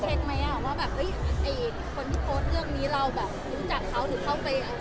ที่ได้ไปเช็คไหมว่าคนที่โพสต์เรื่องนี้เรารู้จักเขาหรือเขาไป